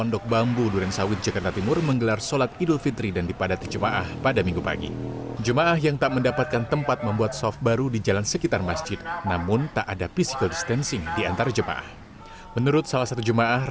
selain itu pelaksanaan solat idul fitri di masjid rahmat ini tidak menggunakan pengeras suara dan khotbah